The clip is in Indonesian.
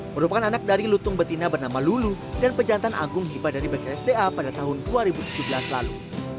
merupakan anak dari lutung betina bernama lulu dan pejantan agung hibah dari bksda pada tahun dua ribu tujuh belas lalu